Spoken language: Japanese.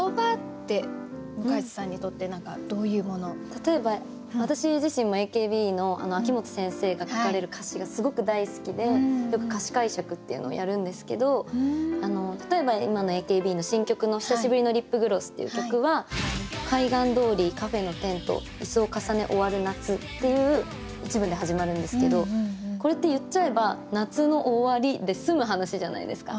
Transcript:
例えば私自身もＡＫＢの秋元先生が書かれる歌詞がすごく大好きでよく歌詞解釈っていうのをやるんですけど例えば今のＡＫＢの新曲の「久しぶりのリップグロス」っていう曲は「海岸通りカフェのテント椅子を重ね終わる夏」っていう一文で始まるんですけどこれって言っちゃえば「夏の終わり」で済む話じゃないですか。